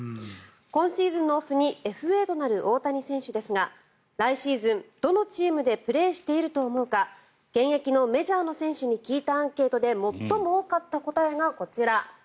今シーズンのオフにＦＡとなる大谷選手ですが来シーズン、どのチームでプレーしていると思うか現役のメジャーの選手に聞いたアンケートで最も多かった答えがこちら。